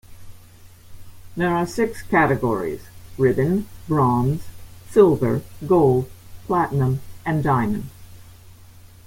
There are six categories - Ribbon, Bronze, Silver, Gold, Platinum and Diamond.